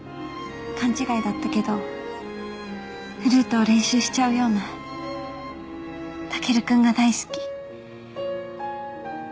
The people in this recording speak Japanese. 勘違いだったけどフルートを練習しちゃうようなタケルくんが大好き。